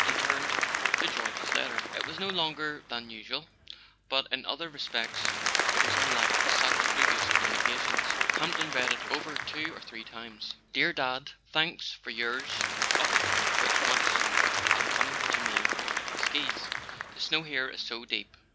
He turned to George's letter. It was no longer than usual; but in other respects it was unlike his son's previous communications. Camp ton read it over two or three times. " Dear Dad, thanks for yours of the tenth, which must have come to me on skis, the snow here is so deep."